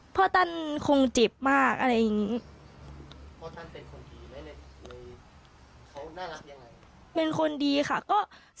พ่อตั้นคงเจ็บมากอะไรอย่างงี้พ่อตั้นเป็นคนดีไหมเลยเขาน่ารักยังไง